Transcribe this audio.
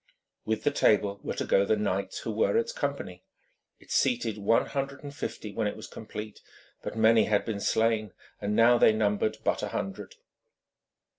With the table were to go the knights who were its company. It seated one hundred and fifty when it was complete, but many had been slain, and now they numbered but a hundred.